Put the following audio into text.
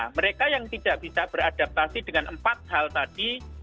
mereka yang tidak bisa beradaptasi dengan empat hal tadi